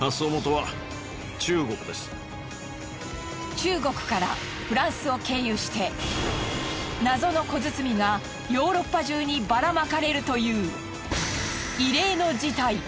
中国からフランスを経由して謎の小包がヨーロッパ中にバラまかれるという異例の事態。